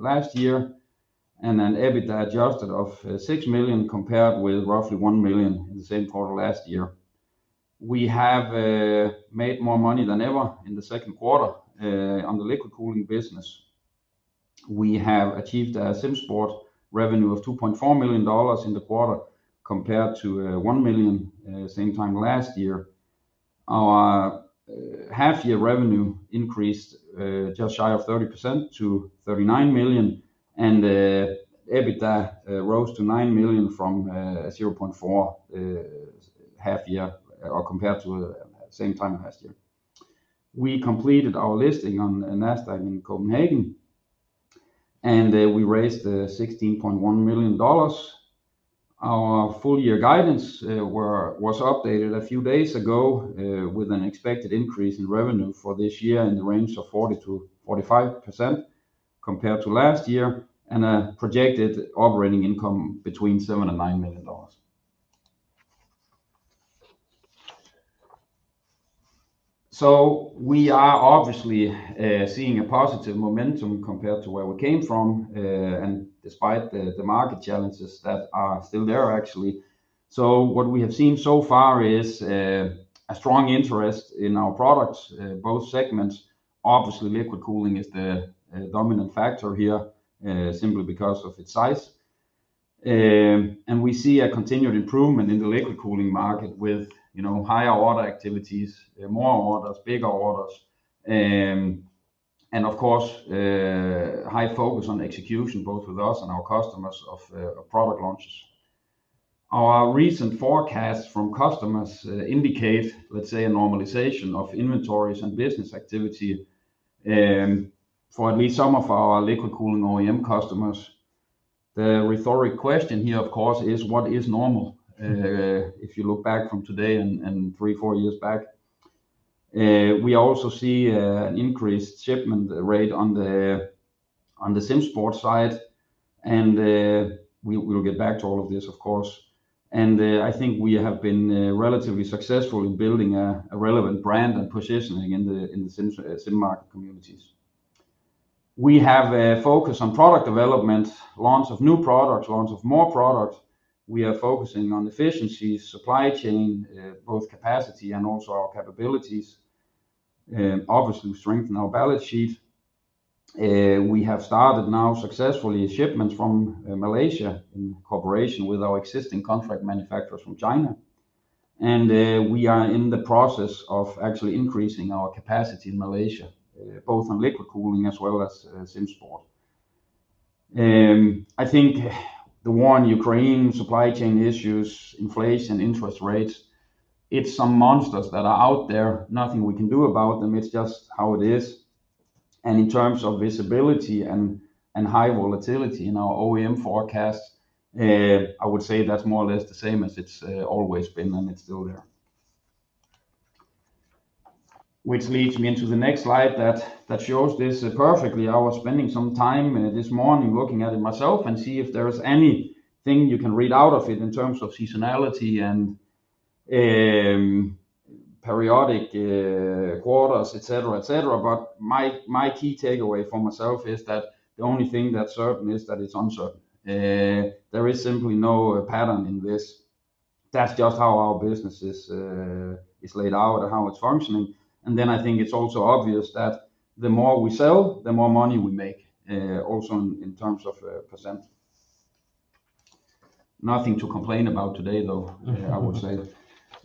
Last year, and an EBITDA adjusted of $6 million compared with roughly $1 million in the same quarter last year. We have made more money than ever in the second quarter on the liquid cooling business. We have achieved a SimSports revenue of $2.4 million in the quarter, compared to $1 million same time last year. Our half-year revenue increased just shy of 30% to $39 million, and EBITDA rose to $9 million from $0.4 million half year, or compared to same time last year. We completed our listing on Nasdaq in Copenhagen, and we raised $16.1 million. Our full year guidance was updated a few days ago with an expected increase in revenue for this year in the range of 40%-45% compared to last year, and a projected operating income between $7 million and $9 million. We are obviously seeing a positive momentum compared to where we came from, and despite the market challenges that are still there, actually. What we have seen so far is a strong interest in our products, both segments. Obviously, liquid cooling is the dominant factor here, simply because of its size. We see a continued improvement in the liquid cooling market with, you know, higher order activities, more orders, bigger orders, and of course, high focus on execution, both with us and our customers of product launches. Our recent forecasts from customers indicate, let's say, a normalization of inventories and business activity for at least some of our liquid cooling OEM customers. The rhetorical question here, of course, is what is normal? If you look back from today and three, four years back. We also see an increased shipment rate on the sim sport side, and we'll get back to all of this, of course. I think we have been relatively successful in building a relevant brand and positioning in the sim market communities. We have a focus on product development, launch of new products, launch of more products. We are focusing on efficiency, supply chain, both capacity and also our capabilities, obviously strengthen our balance sheet. We have started now successfully shipments from Malaysia in cooperation with our existing contract manufacturers from China. We are in the process of actually increasing our capacity in Malaysia, both on liquid cooling as well as SimSports. I think the war in Ukraine, supply chain issues, inflation, interest rates, it's some monsters that are out there. Nothing we can do about them. It's just how it is. In terms of visibility and high volatility in our OEM forecasts, I would say that's more or less the same as it's always been, and it's still there. Which leads me into the next slide that shows this perfectly. I was spending some time this morning looking at it myself and see if there is anything you can read out of it in terms of seasonality and periodic quarters, et cetera, et cetera. My, my key takeaway for myself is that the only thing that's certain is that it's uncertain. There is simply no pattern in this. That's just how our business is laid out or how it's functioning. I think it's also obvious that the more we sell, the more money we make, also in, in terms of percent. Nothing to complain about today, though, I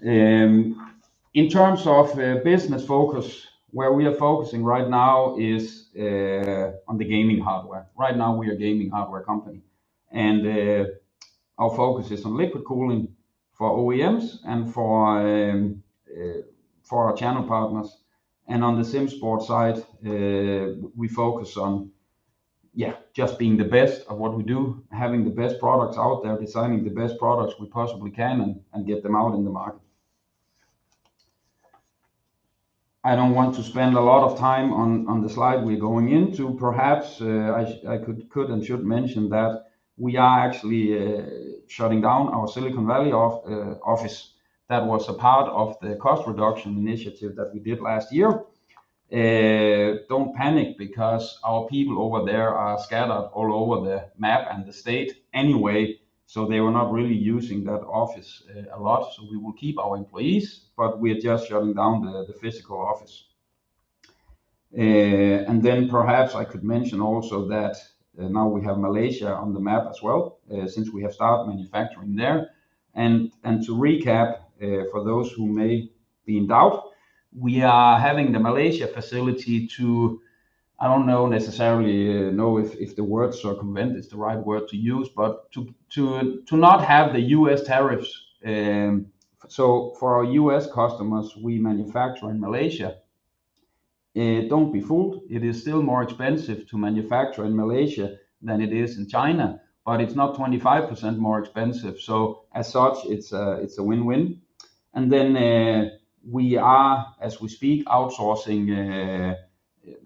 would say. In terms of business focus, where we are focusing right now is on the gaming hardware. Right now, we are gaming hardware company, and our focus is on liquid cooling for OEMs and for our channel partners. On the SimSports side, we focus on just being the best at what we do, having the best products out there, designing the best products we possibly can and get them out in the market. I don't want to spend a lot of time on the slide we're going into. Perhaps, I could and should mention that we are actually shutting down our Silicon Valley office. That was a part of the cost reduction initiative that we did last year. Don't panic because our people over there are scattered all over the map and the state anyway, so they were not really using that office a lot. We will keep our employees, but we are just shutting down the, the physical office. Then perhaps I could mention also that now we have Malaysia on the map as well, since we have started manufacturing there. To recap, for those who may be in doubt, we are having the Malaysia facility to... I don't know necessarily know if, if the word circumvent is the right word to use, but to, to, to not have the U.S. tariffs. For our U.S. customers, we manufacture in Malaysia. Don't be fooled, it is still more expensive to manufacture in Malaysia than it is in China, but it's not 25% more expensive. As such, it's a, it's a win-win. We are, as we speak, outsourcing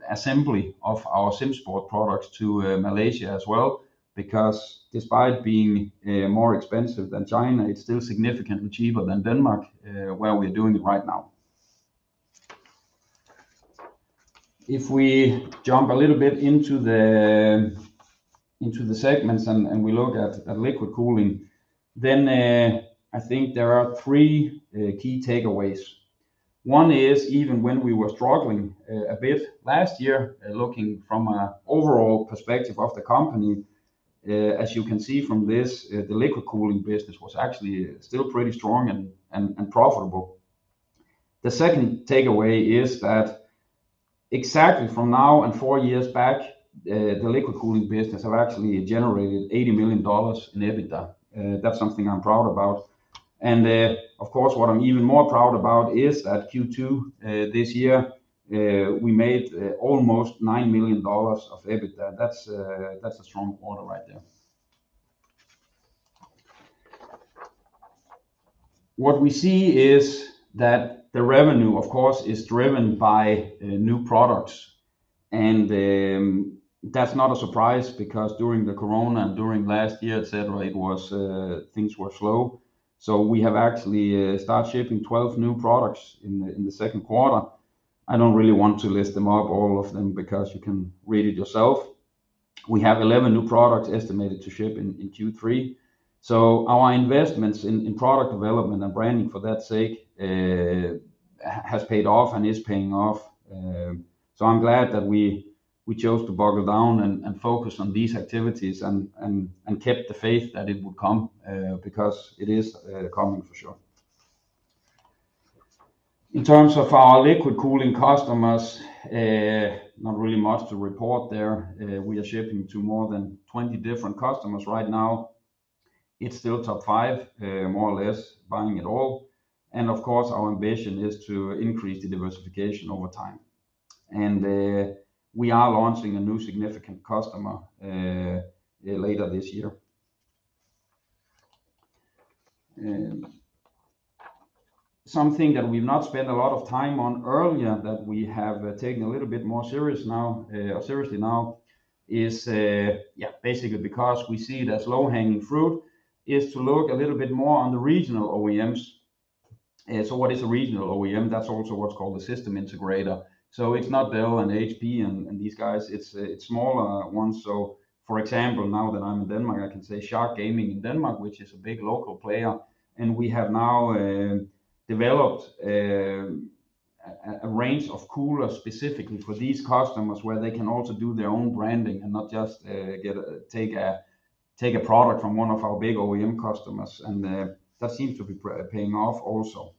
assembly of our SimSports products to Malaysia as well, because despite being more expensive than China, it's still significantly cheaper than Denmark, where we're doing it right now. If we jump a little bit into the, into the segments and, and we look at, at liquid cooling, then I think there are three key takeaways. One is, even when we were struggling a bit last year, looking from a overall perspective of the company, as you can see from this, the liquid cooling business was actually still pretty strong and, and, and profitable. The second takeaway is that exactly from now and four years back, the, the liquid cooling business have actually generated $80 million in EBITDA, that's something I'm proud about. Of course, what I'm even more proud about is that Q2 this year we made almost $9 million of EBITDA. That's a strong quarter right there. What we see is that the revenue, of course, is driven by new products, and that's not a surprise, because during the COVID-19 and during last year, et cetera, it was things were slow. We have actually start shipping 12 new products in the second quarter. I don't really want to list them up, all of them, because you can read it yourself. We have 11 new products estimated to ship in Q3. Our investments in product development and branding, for that sake, has paid off and is paying off. I'm glad that we, we chose to buckle down and, and focus on these activities and, and, and kept the faith that it would come, because it is coming for sure. In terms of our liquid cooling customers, not really much to report there. We are shipping to more than 20 different customers right now. It's still top five, more or less buying it all. Of course, our ambition is to increase the diversification over time, we are launching a new significant customer later this year. Something that we've not spent a lot of time on earlier, that we have taken a little bit more serious now, or seriously now is, yeah, basically because we see it as low-hanging fruit, is to look a little bit more on the regional OEMs. What is a regional OEM? That's also what's called a system integrator. It's not Dell and HP and, and these guys, it's, it's smaller ones. For example, now that I'm in Denmark, I can say Shark Gaming in Denmark, which is a big local player, and we have now developed a range of coolers specifically for these customers, where they can also do their own branding and not just take a product from one of our big OEM customers, and that seems to be paying off also.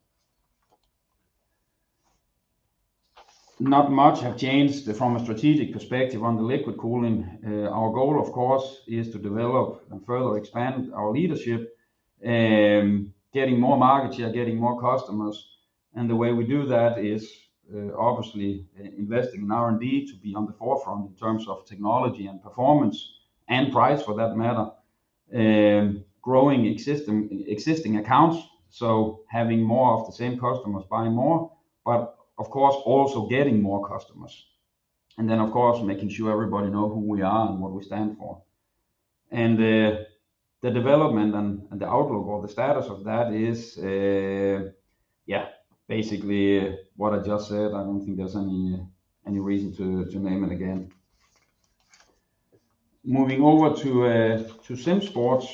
Not much have changed from a strategic perspective on the liquid cooling. Our goal, of course, is to develop and further expand our leadership, getting more market share, getting more customers. The way we do that is, obviously investing in R&D to be on the forefront in terms of technology and performance and price, for that matter. Growing existing, existing accounts, so having more of the same customers buying more, but of course, also getting more customers. Of course, making sure everybody know who we are and what we stand for. The development and the outlook or the status of that is, yeah, basically what I just said, I don't think there's any, any reason to, to name it again. Moving over to SimSports.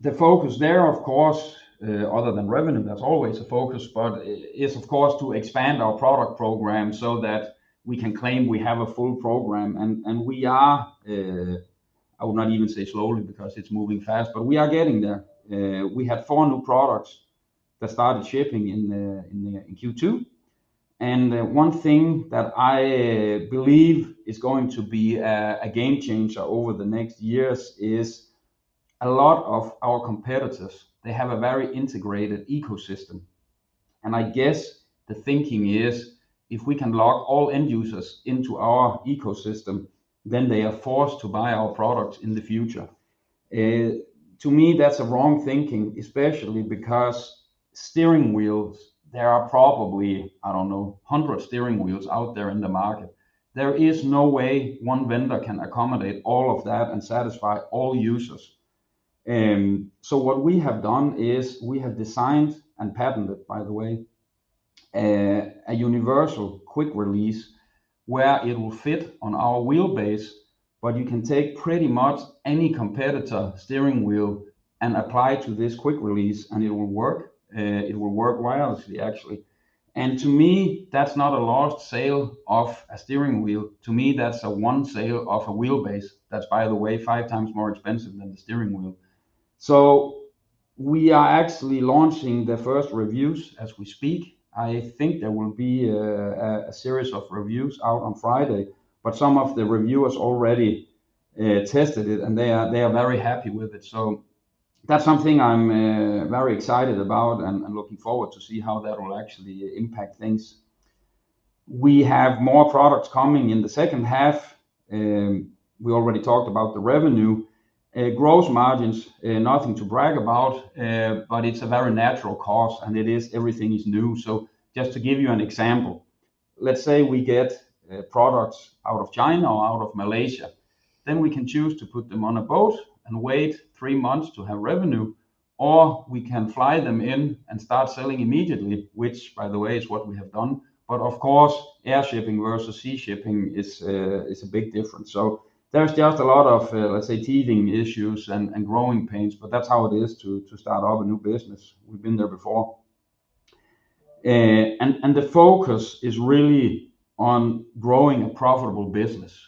The focus there, of course, other than revenue, that's always a focus, but is, of course, to expand our product program so that we can claim we have a full program. We are, I would not even say slowly, because it's moving fast, but we are getting there. We had four new products that started shipping in the Q2. One thing that I believe is going to be a game changer over the next years is a lot of our competitors, they have a very integrated ecosystem, and I guess the thinking is if we can lock all end users into our ecosystem, then they are forced to buy our products in the future. To me, that's a wrong thinking, especially because steering wheels, there are probably, I don't know, 100 steering wheels out there in the market. There is no way one vendor can accommodate all of that and satisfy all users. What we have done is we have designed, and patented it, by the way, a Universal Quick Release where it will fit on our wheelbase, but you can take pretty much any competitor steering wheel and apply to this quick release, and it will work. It will work wirelessly, actually. To me, that's not a lost sale of a steering wheel, to me, that's a one sale of a wheelbase. That's, by the way, five times more expensive than the steering wheel. We are actually launching the first reviews as we speak. I think there will be a series of reviews out on Friday, but some of the reviewers already tested it, and they are very happy with it. That's something I'm very excited about and looking forward to see how that will actually impact things. We have more products coming in the second half. We already talked about the revenue. Gross margins, nothing to brag about, but it's a very natural course, and everything is new. Just to give you an example. Let's say we get products out of China or out of Malaysia, then we can choose to put them on a boat and wait three months to have revenue, or we can fly them in and start selling immediately, which, by the way, is what we have done. But of course, air shipping versus sea shipping is a big difference. So there's just a lot of, let's say, teething issues and growing pains, but that's how it is to start up a new business. We've been there before. The focus is really on growing a profitable business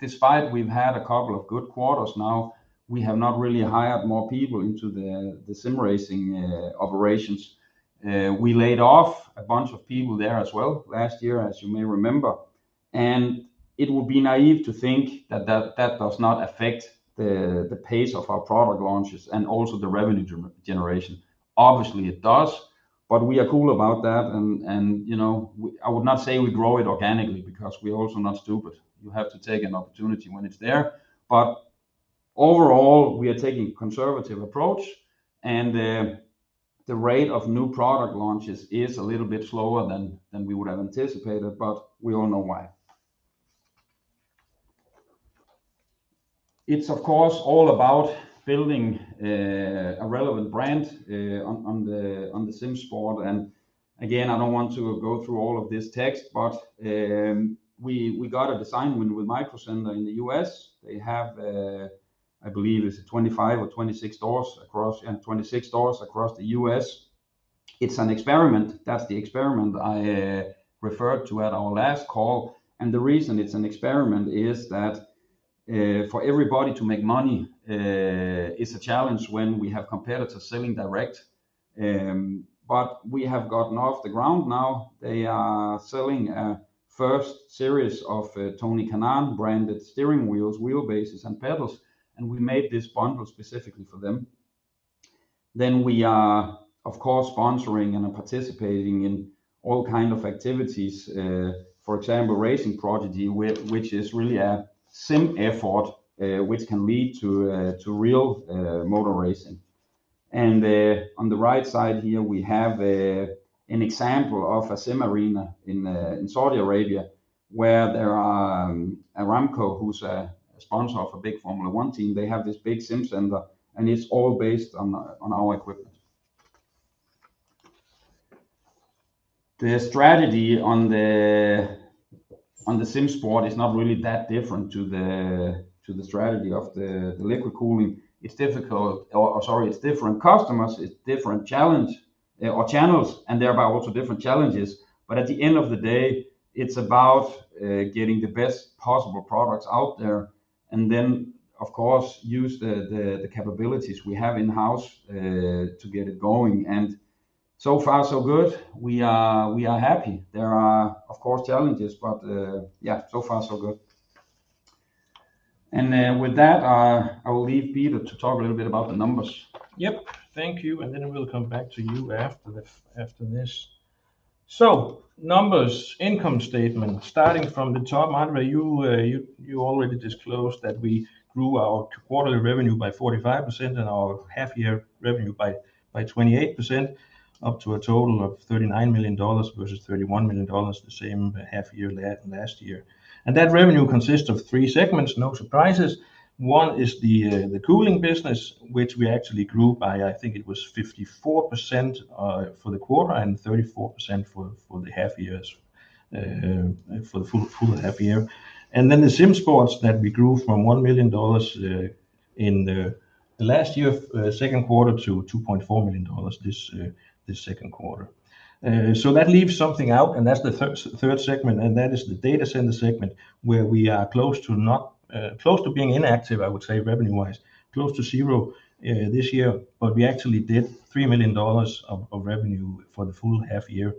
Despite we've had a couple of good quarters now, we have not really hired more people into the sim racing operations. We laid off a bunch of people there as well last year, as you may remember, and it would be naive to think that that, that does not affect the pace of our product launches and also the revenue generation. Obviously, it does, but we are cool about that, and, you know, I would not say we grow it organically because we're also not stupid. You have to take an opportunity when it's there. But overall, we are taking a conservative approach, and, the rate of new product launches is a little bit slower than, than we would have anticipated, but we all know why. It's, of course, all about building a relevant brand on, on the, on the sim sport. Again, I don't want to go through all of this text, but we got a design win with Micro Center in the U.S.. They have, I believe it's 25 or 26 stores across the U.S.. It's an experiment. That's the experiment I referred to at our last call, and the reason it's an experiment is that for everybody to make money is a challenge when we have competitors selling direct. We have gotten off the ground now. They are selling a first series of Tony Kanaan-branded steering wheels, wheelbases, and pedals, and we made this bundle specifically for them. We are, of course, sponsoring and are participating in all kind of activities, for example, Racing Prodigy, which is really a sim effort, which can lead to real motor racing. On the right side here, we have an example of a sim arena in Saudi Arabia, where there are Aramco, who's a sponsor of a big Formula One team. They have this big sim center, and it's all based on, on our equipment. The strategy on the, on the sim sport is not really that different to the, to the strategy of the, the liquid cooling. Or, or sorry, it's different customers, it's different challenge, or channels, and thereby also different challenges. At the end of the day, it's about getting the best possible products out there and then, of course, use the, the, the capabilities we have in-house to get it going. So far, so good. We are, we are happy. There are, of course, challenges, but yeah, so far so good. With that, I will leave Peter to talk a little bit about the numbers. Yep. Thank you, then I will come back to you after this, after this. Numbers, income statement, starting from the top, André, you, you, you already disclosed that we grew our quarterly revenue by 45% and our half-year revenue by 28%, up to a total of $39 million versus $31 million the same half year last year. That revenue consists of three segments, no surprises. One is the cooling business, which we actually grew by, I think it was 54% for the quarter and 34% for the half years, for the full half year. The SimSports that we grew from $1 million in the last year, second quarter, to $2.4 million this second quarter. So that leaves something out, and that's the third segment, and that is the data center segment, where we are close to being inactive, I would say, revenue-wise, close to zero this year. But we actually did $3 million of revenue for the full half year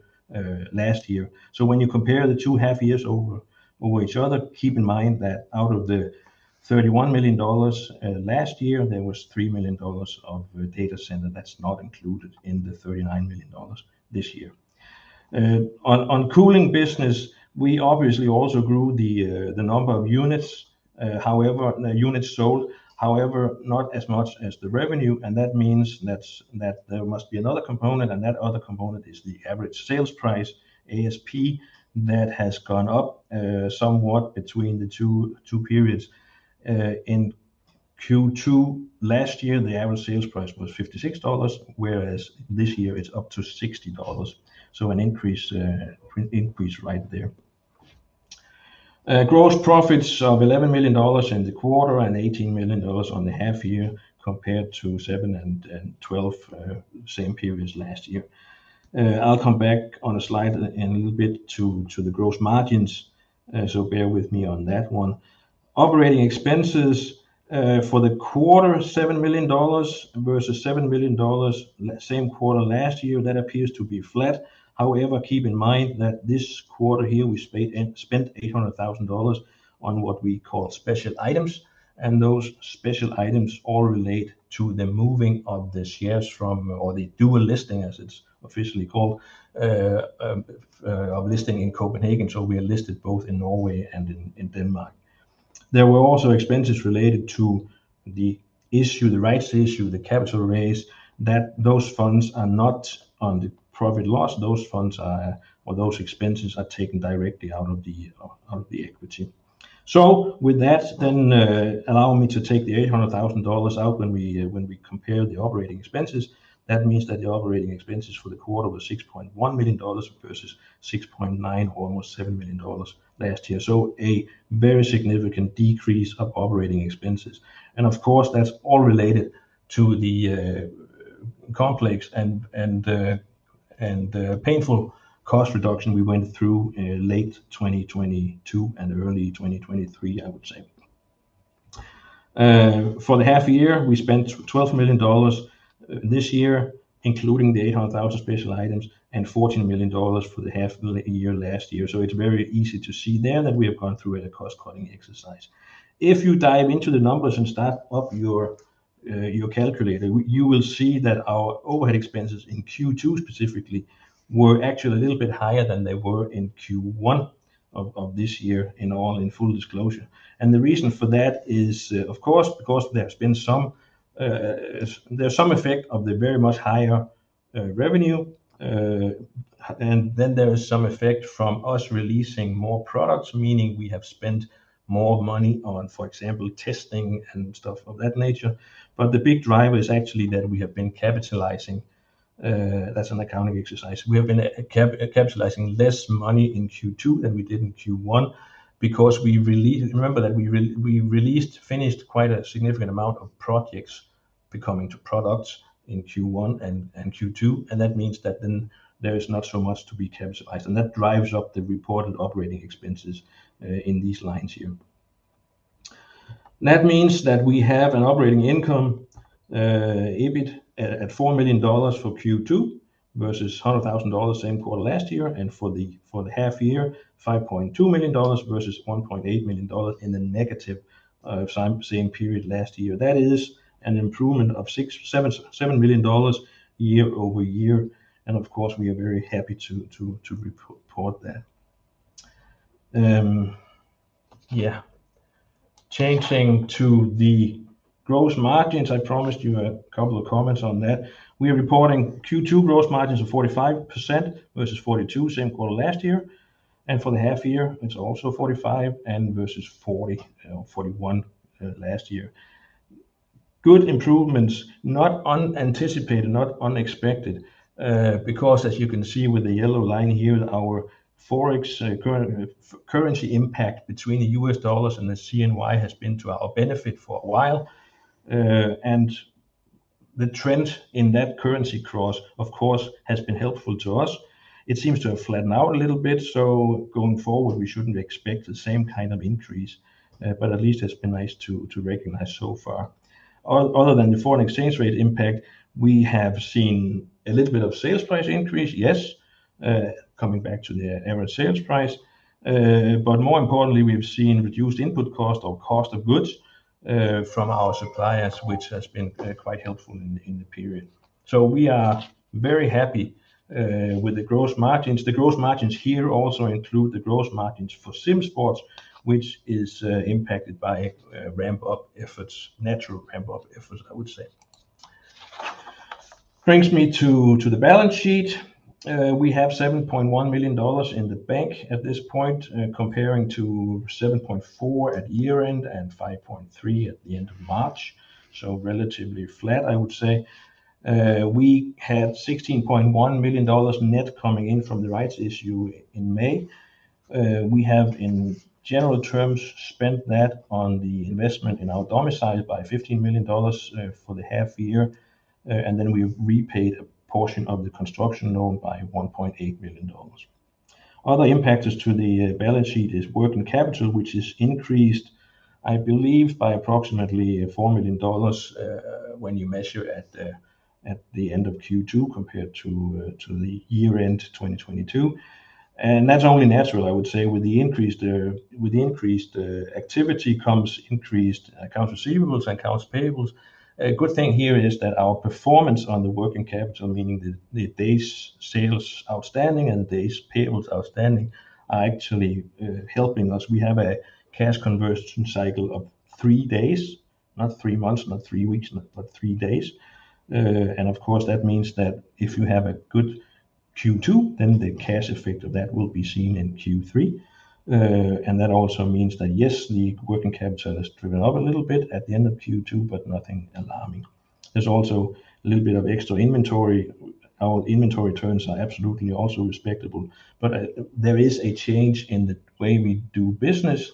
last year. So when you compare the two half years over each other, keep in mind that out of the $31 million last year, there was $3 million of data center that's not included in the $39 million this year. On cooling business, we obviously also grew the number of units. However, the units sold, not as much as the revenue. That means that's, that there must be another component, and that other component is the average sales price, ASP, that has gone up somewhat between the two periods. In Q2 last year, the average sales price was $56, whereas this year it's up to $60, so an increase right there. Gross profits of $11 million in the quarter and $18 million on the half year, compared to $7 and $12, same periods last year. I'll come back on a slide in a little bit to the gross margins, so bear with me on that one. Operating expenses for the quarter, $7 million, versus $7 million same quarter last year. That appears to be flat. However, keep in mind that this quarter here, we spent, spent $800,000 on what we call special items, and those special items all relate to the moving of the shares from, or the dual listing, as it's officially called, of listing in Copenhagen. We are listed both in Norway and in, in Denmark. There were also expenses related to the issue, the rights issue, the capital raise, that those funds are not on the profit loss. Those funds are, or those expenses are taken directly out of the equity. With that, allow me to take the $800,000 out when we, when we compare the operating expenses, that means that the operating expenses for the quarter were $6.1 million versus $6.9 million, almost $7 million last year. A very significant decrease of operating expenses. Of course, that's all related to the complex and, and the, and the painful cost reduction we went through in late 2022 and early 2023, I would say. For the half year, we spent $12 million this year, including the $800,000 special items and $14 million for the half year last year. It's very easy to see there that we have gone through a cost-cutting exercise. If you dive into the numbers and start up your calculator, you will see that our overhead expenses in Q2 specifically, were actually a little bit higher than they were in Q1 of this year, in all in full disclosure. The reason for that is, of course, because there's been some, there's some effect of the very much higher revenue. Then there is some effect from us releasing more products, meaning we have spent more money on, for example, testing and stuff of that nature. The big driver is actually that we have been capitalizing, that's an accounting exercise. We have been capitalizing less money in Q2 than we did in Q1, because we released. Remember that we released, finished quite a significant amount of projects becoming to products in Q1 and Q2, and that means that then there is not so much to be capitalized, and that drives up the reported operating expenses in these lines here. That means that we have an operating income, EBITDA at $4 million for Q2 versus $100,000, same quarter last year. For the half year, $5.2 million versus $1.8 million in the negative, same period last year. That is an improvement of $6.77 million year-over-year. Of course, we are very happy to report that. Yeah, changing to the gross margins, I promised you a couple of comments on that. We are reporting Q2 gross margins of 45% versus 42, same quarter last year. For the half year it's also 45 and versus 40, 41 last year. Good improvements, not unanticipated, not unexpected, because as you can see with the yellow line here, our Forex currency impact between the U.S. dollars and the CNY has been to our benefit for a while, and the trend in that currency cross, of course, has been helpful to us. It seems to have flattened out a little bit, going forward, we shouldn't expect the same kind of increase, but at least it's been nice to recognize so far. Other than the foreign exchange rate impact, we have seen a little bit of sales price increase, yes, coming back to the average sales price. More importantly, we've seen reduced input cost or cost of goods from our suppliers, which has been quite helpful in the period. We are very happy with the gross margins. The gross margins here also include the gross margins for SimSports, which is impacted by ramp-up efforts, natural ramp-up efforts, I would say. Brings me to the balance sheet. We have $7.1 million in the bank at this point, comparing to $7.4 million at year-end and $5.3 million at the end of March. Relatively flat, I would say. We had $16.1 million net coming in from the rights issue in May. We have, in general terms, spent that on the investment in our domicile by $15 million for the half year, and then we've repaid a portion of the construction loan by $1.8 million. Other impact as to the balance sheet is working capital, which is increased, I believe, by approximately $4 million, when you measure at the end of Q2 compared to the year-end 2022, and that's only natural, I would say. With the increased activity comes increased accounts receivables and accounts payables. A good thing here is that our performance on the working capital, meaning the days sales outstanding and days payables outstanding, are actually helping us. We have a cash conversion cycle of three days, not three months, not three weeks, but three days. Of course, that means that if you have a good Q2, then the cash effect of that will be seen in Q3. That also means that, yes, the working capital has driven up a little bit at the end of Q2, but nothing alarming. There's also a little bit of extra inventory. Our inventory terms are absolutely also respectable, but there is a change in the way we do business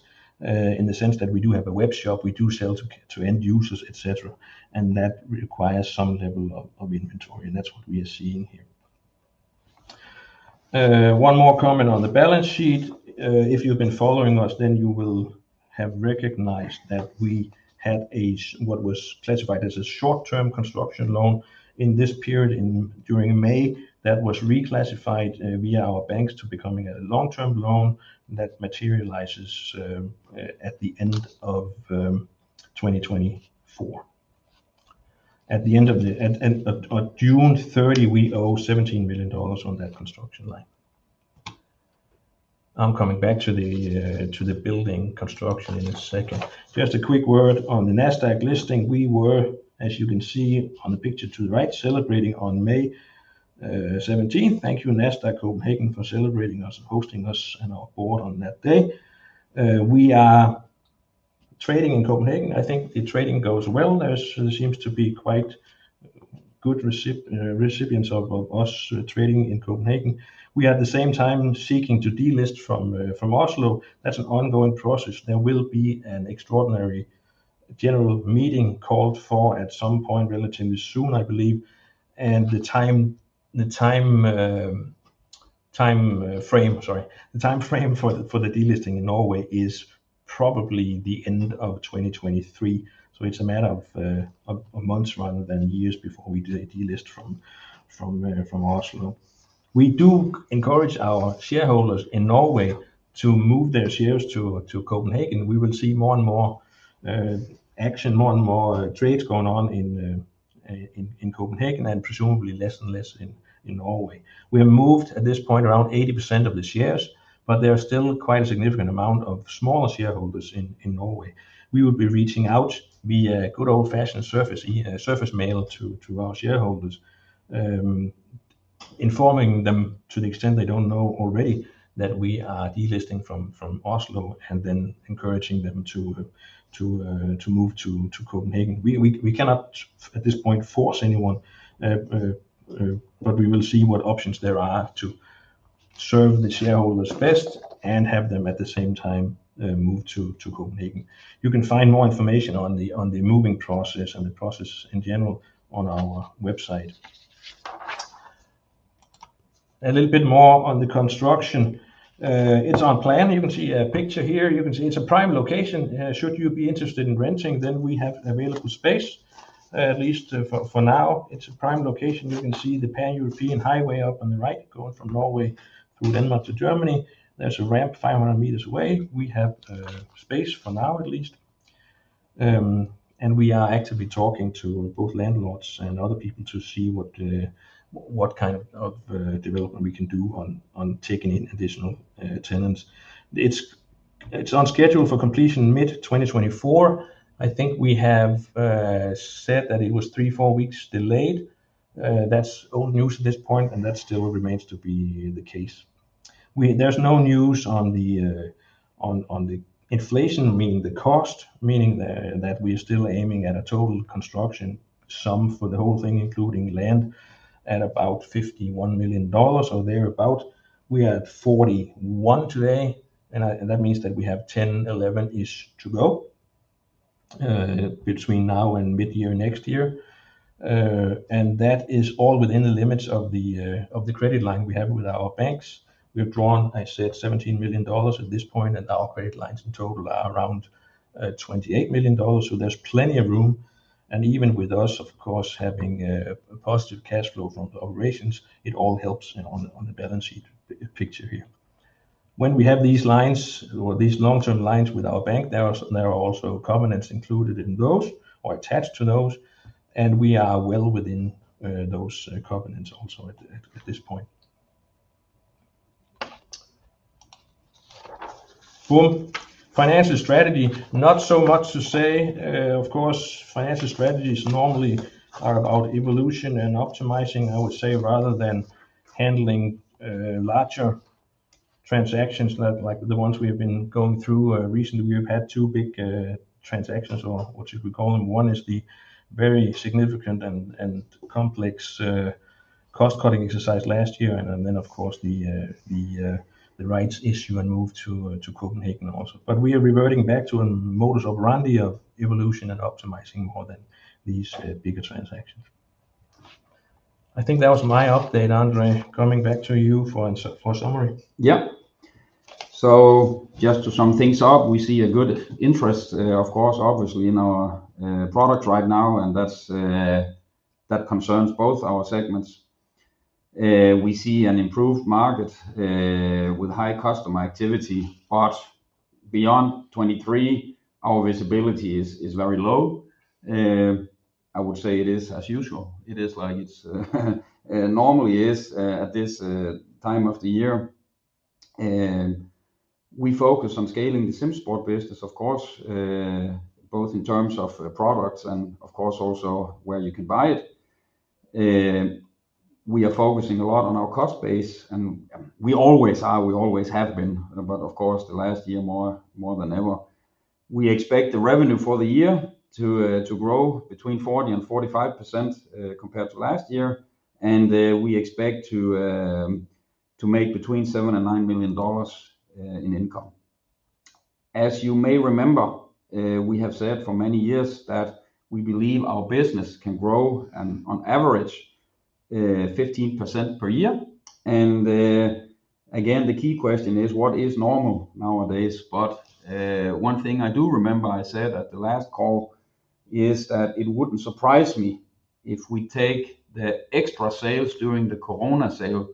in the sense that we do have a web shop, we do sell to, to end users, et cetera, and that requires some level of, of inventory, and that's what we are seeing here. One more comment on the balance sheet. If you've been following us, then you will have recognized that we had a, what was classified as a short-term construction loan in this period during May, that was reclassified via our banks to becoming a long-term loan that materializes at the end of 2024. At the end of June 30, we owe $17 million on that construction line. I'm coming back to the building construction in a second. Just a quick word on the Nasdaq listing. We were, as you can see on the picture to the right, celebrating on May 17th. Thank you, Nasdaq Copenhagen, for celebrating us and hosting us and our board on that day. We are trading in Copenhagen. I think the trading goes well. There seems to be quite good recipients of us trading in Copenhagen. We, at the same time, seeking to delist from Oslo. That's an ongoing process. There will be an extraordinary general meeting called for at some point relatively soon, I believe. The time frame, sorry, the time frame for the delisting in Norway is probably the end of 2023. It's a matter of months rather than years before we do the delist from Oslo. We do encourage our shareholders in Norway to move their shares to Copenhagen. We will see more and more action, more and more trades going on in Copenhagen, and presumably less and less in Norway. We have moved, at this point, around 80% of the shares, but there are still quite a significant amount of smaller shareholders in Norway. We will be reaching out via good old-fashioned surface mail to, to our shareholders, informing them, to the extent they don't know already, that we are delisting from, from Oslo and then encouraging them to, to move to, to Copenhagen. We, we, we cannot, at this point, force anyone, but we will see what options there are to serve the shareholders best and have them, at the same time, move to, to Copenhagen. You can find more information on the, on the moving process and the process in general on our website. A little bit more on the construction. It's on plan. You can see a picture here. You can see it's a prime location. Should you be interested in renting, then we have available space, at least for, for now. It's a prime location. You can see the Pan-European Highway up on the right, going from Norway through Denmark to Germany. There's a ramp 500 meters away. We have space for now at least. We are actively talking to both landlords and other people to see what kind of development we can do on taking in additional tenants. It's on schedule for completion mid-2024. I think we have said that it was three, four weeks delayed. That's old news at this point, and that still remains to be the case. There's no news on the inflation, meaning the cost, meaning that we're still aiming at a total construction sum for the whole thing, including land, at about $51 million or thereabout. We are at 41 today, and that means that we have 10, 11-ish to go between now and mid-year next year. That is all within the limits of the credit line we have with our banks. We've drawn, I said, $17 million at this point, and our credit lines in total are around $28 million, so there's plenty of room. Even with us, of course, having a positive cash flow from operations, it all helps on the balance sheet picture here. When we have these lines or these long-term lines with our bank, there are, there are also covenants included in those or attached to those, and we are well within those covenants also at, at, at this point. Well, financial strategy, not so much to say. Of course, financial strategies normally are about evolution and optimizing, I would say, rather than handling larger transactions like the ones we have been going through. Recently, we have had two big transactions, or what you could call them. One is the very significant and complex cost-cutting exercise last year, and then, of course, the rights issue and move to Copenhagen also. We are reverting back to a modus operandi of evolution and optimizing more than these bigger transactions. I think that was my update. André, coming back to you for summary. Yeah. Just to sum things up, we see a good interest, of course, obviously in our product right now, and that's that concerns both our segments. We see an improved market with high customer activity. Beyond 2023, our visibility is very low. I would say it is as usual. It is like it's normally is at this time of the year. We focus on scaling the SimSports business, of course, both in terms of products and of course, also where you can buy it. We are focusing a lot on our cost base. We always are, we always have been, but of course, the last year, more, more than ever. We expect the revenue for the year to, to grow between 40% and 45%, compared to last year. We expect to, to make between $7 million and $9 million, in income. As you may remember, we have said for many years that we believe our business can grow on, on average, 15% per year. Again, the key question is, what is normal nowadays? One thing I do remember I said at the last call is that it wouldn't surprise me if we take the extra sales during the COVID-19 sale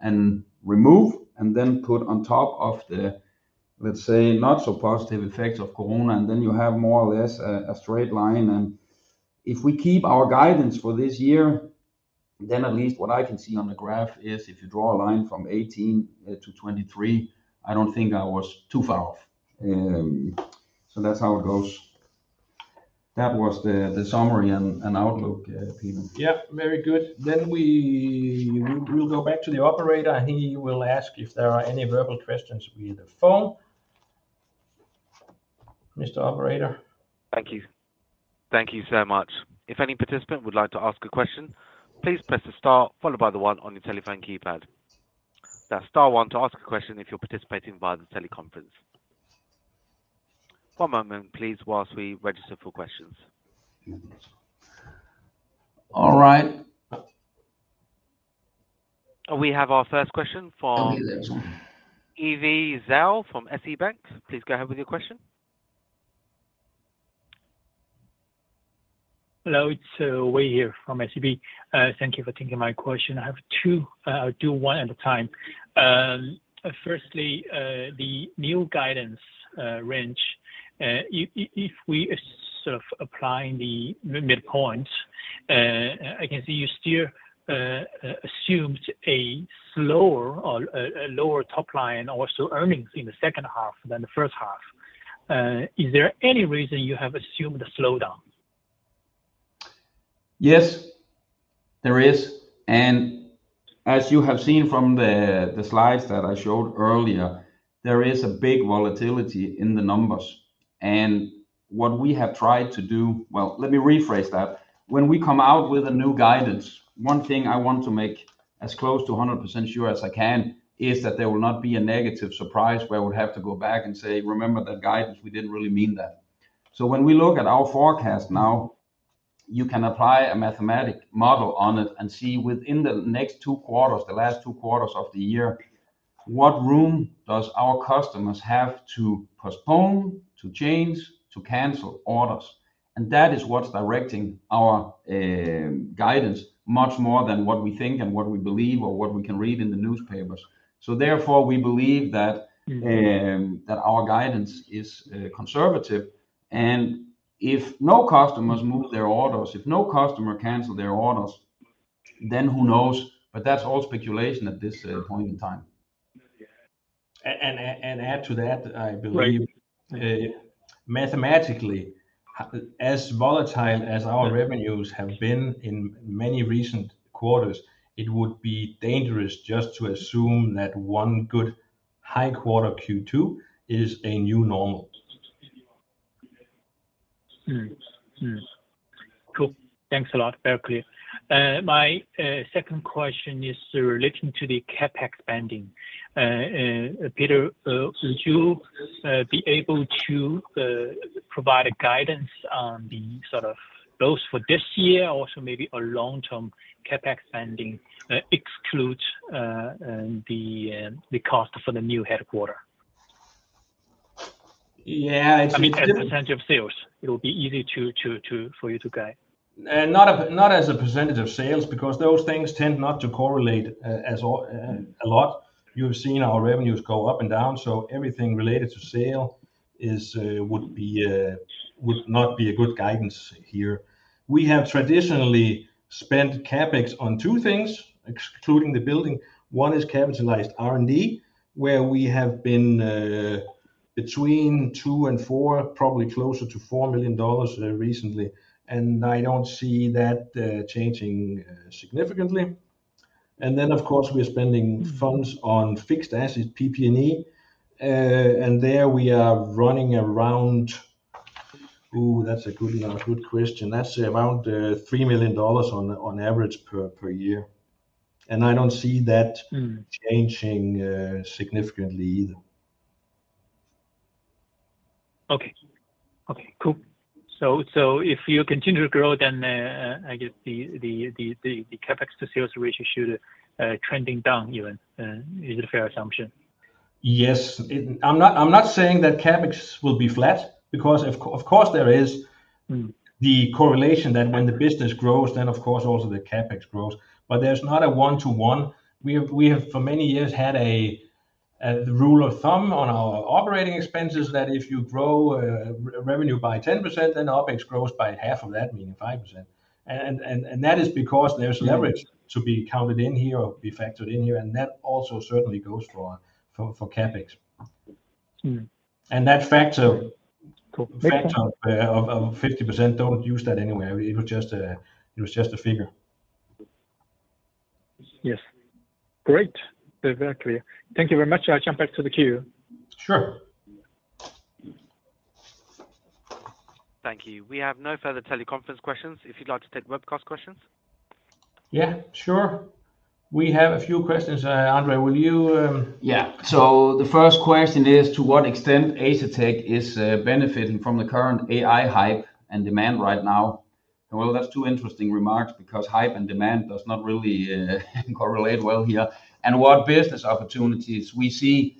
and remove, and then put on top of the-... let's say, not so positive effects of Corona, and then you have more or less a, a straight line. If we keep our guidance for this year, then at least what I can see on the graph is, if you draw a line from 18 to 23, I don't think I was too far off. That's how it goes. That was the, the summary and, and outlook, Peter. Yeah, very good. We will go back to the operator, and he will ask if there are any verbal questions via the phone. Mr. Operator? Thank you. Thank you so much. If any participant would like to ask a question, please press the star followed by the one on your telephone keypad. That's star one to ask a question if you're participating via the teleconference. One moment, please, whilst we register for questions. All right. We have our first question. Only one. Yiwei Zhou from SEB. Please go ahead with your question. Hello, it's Yiwei here from SEB. Thank you for taking my question. I have two. I'll do one at a time. Firstly, the new guidance range, if we are sort of applying the midpoint, I can see you still assumed a slower or a lower top line or so earnings in the second half than the first half. Is there any reason you have assumed a slowdown? Yes, there is, and as you have seen from the, the slides that I showed earlier, there is a big volatility in the numbers. What we have tried to do... Well, let me rephrase that. When we come out with a new guidance, one thing I want to make as close to 100% sure as I can, is that there will not be a negative surprise where we'll have to go back and say, "Remember that guidance? We didn't really mean that." When we look at our forecast now, you can apply a mathematic model on it and see within the next two quarters, the last two quarters of the year, what room does our customers have to postpone, to change, to cancel orders? That is what's directing our guidance much more than what we think and what we believe or what we can read in the newspapers. Therefore, we believe that. Mm-hmm... that our guidance is conservative, and if no customers move their orders, if no customer cancel their orders, then who knows? That's all speculation at this point in time. Add to that, I believe. Right mathematically, as volatile as our revenues have been in many recent quarters, it would be dangerous just to assume that 1 good high quarter Q2 is a new normal. Mm-hmm. Mm-hmm. Cool. Thanks a lot. Very clear. My second question is relating to the CapEx spending. Peter, would you be able to provide a guidance on the sort of both for this year, also maybe a long-term CapEx spending, excludes the cost for the new headquarter? Yeah. I mean, as a percentage of sales, it will be easy to for you to guide. Not a, not as a percentage of sales, because those things tend not to correlate as all a lot. You've seen our revenues go up and down, so everything related to sale is would be would not be a good guidance here. We have traditionally spent CapEx on two things, excluding the building. One is capitalized R&D, where we have been between $2 million and $4 million, probably closer to $4 million recently, and I don't see that changing significantly. Of course, we're spending funds on fixed assets, PP&E, and there we are running around. That's a good question. That's around $3 million on average per year, and I don't see that- Mm... changing significantly either. Okay. Okay, cool. So if you continue to grow, then, I guess the CapEx to sales ratio should trending down even. Is it a fair assumption? Yes. I'm not, I'm not saying that CapEx will be flat, because of course, there is. Mm... the correlation that when the business grows, then of course, also the CapEx grows, but there's not a one-to-one. We have, we have for many years had a, the rule of thumb on our operating expenses, that if you grow revenue by 10%, then OpEx grows by half of that, meaning 5%. That is because there's- Yeah... leverage to be counted in here or be factored in here, and that also certainly goes for CapEx. Mm. And that factor- Cool factor of 50%, don't use that anywhere. It was just a figure. Yes. Great. Very clear. Thank you very much. I'll jump back to the queue. Sure. Thank you. We have no further teleconference questions. If you'd like to take webcast questions. Yeah, sure. We have a few questions. André, will you- Yeah. The first question is, to what extent Asetek is benefiting from the current AI hype and demand right now? That's two interesting remarks because hype and demand does not really correlate well here. What business opportunities we see,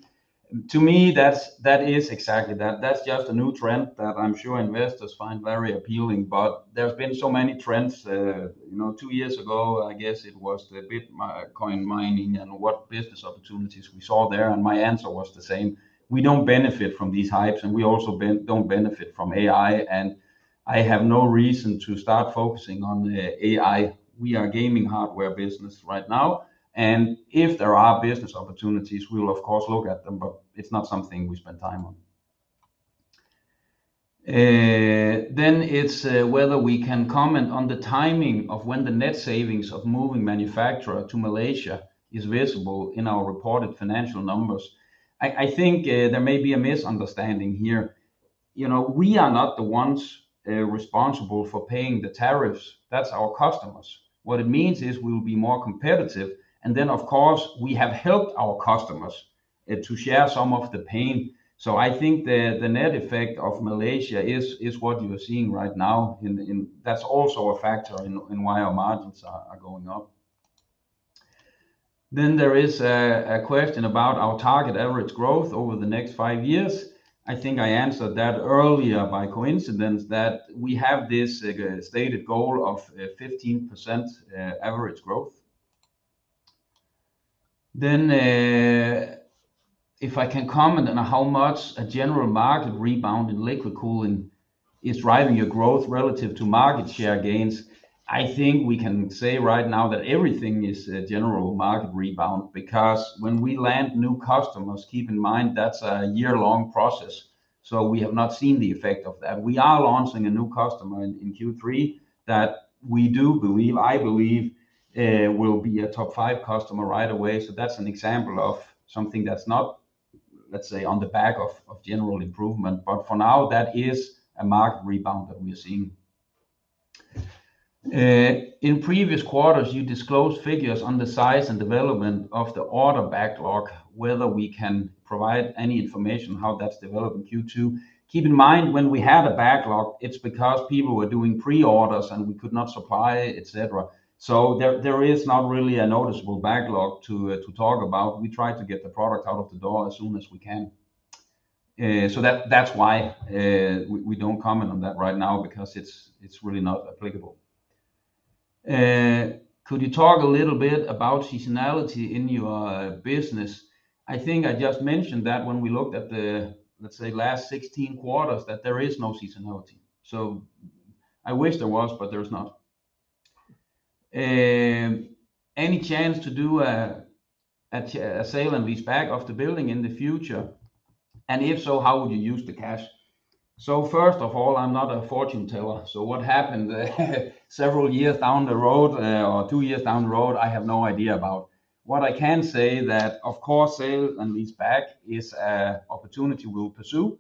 to me, that is exactly that. That's just a new trend that I'm sure investors find very appealing, but there's been so many trends. You know, two years ago, I guess it was the Bitcoin mining and what business opportunities we saw there, and my answer was the same. We don't benefit from these hypes, and we also don't benefit from AI. I have no reason to start focusing on AI. We are gaming hardware business right now, and if there are business opportunities, we will of course look at them, but it's not something we spend time on. It's whether we can comment on the timing of when the net savings of moving manufacturer to Malaysia is visible in our reported financial numbers. I, I think there may be a misunderstanding here. You know, we are not the ones responsible for paying the tariffs. That's our customers. What it means is we will be more competitive, and then, of course, we have helped our customers to share some of the pain. I think the net effect of Malaysia is what you are seeing right now. That's also a factor in why our margins are going up. There is a question about our target average growth over the next five years. I think I answered that earlier by coincidence, that we have this stated goal of 15% average growth. If I can comment on how much a general market rebound in liquid cooling is driving your growth relative to market share gains, I think we can say right now that everything is a general market rebound, because when we land new customers, keep in mind, that's a year-long process, so we have not seen the effect of that. We are launching a new customer in, in Q3 that we do believe, I believe, will be a top five customer right away. That's an example of something that's not, let's say, on the back of, of general improvement, but for now, that is a market rebound that we are seeing. In previous quarters, you disclosed figures on the size and development of the order backlog, whether we can provide any information on how that's developed in Q2. Keep in mind, when we had a backlog, it's because people were doing pre-orders, and we could not supply, et cetera. There, there is not really a noticeable backlog to talk about. We try to get the product out of the door as soon as we can. That's why we don't comment on that right now because it's really not applicable. Could you talk a little bit about seasonality in your business? I think I just mentioned that when we looked at the, let's say, last 16 quarters, that there is no seasonality. I wish there was, but there's not. Any chance to do a sale and leaseback of the building in the future? If so, how would you use the cash? First of all, I'm not a fortune teller, so what happened, several years down the road, or 2 years down the road, I have no idea about. What I can say that, of course, sale and leaseback is an opportunity we'll pursue.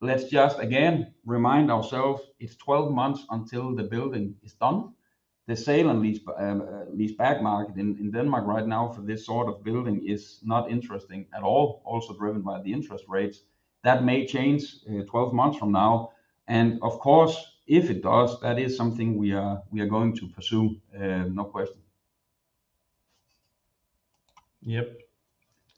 Let's just, again, remind ourselves it's 12 months until the building is done. The sale and leaseb- leaseback market in Denmark right now for this sort of building is not interesting at all, also driven by the interest rates. That may change, 12 months from now, and of course, if it does, that is something we are, we are going to pursue, no question. Yep.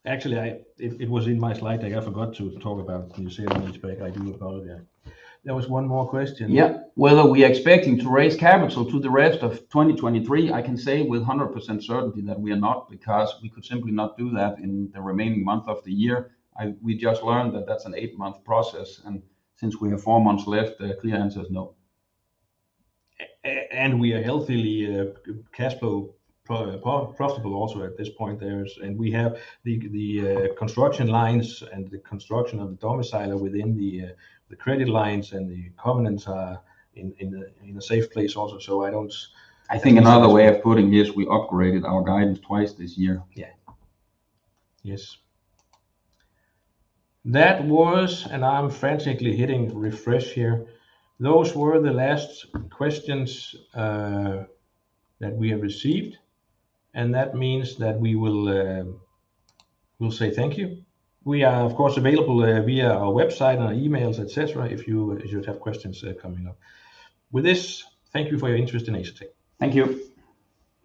Actually, it was in my slide deck. I forgot to talk about the sale and leaseback idea about, yeah. There was one more question. Yeah. Whether we are expecting to raise capital through the rest of 2023, I can say with 100% certainty that we are not, because we could simply not do that in the remaining month of the year. We just learned that that's an 8-month process, and since we have 4 months left, the clear answer is no. We are healthily, cash flow profitable also at this point there. We have the, the, construction lines and the construction of the domicile within the, the credit lines, and the covenants are in, in a, in a safe place also. I don't- I think another way of putting it is we upgraded our guidance twice this year. Yeah. Yes. That was... I'm frantically hitting refresh here. Those were the last questions that we have received, and that means that we will, we'll say thank you. We are, of course, available via our website and our emails, et cetera, if you should have questions coming up. With this, thank you for your interest in Asetek. Thank you.